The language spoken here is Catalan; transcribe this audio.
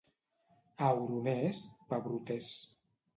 A Oroners, pebroters.